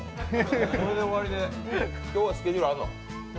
これで終わりで、今日はスケジュールあんの？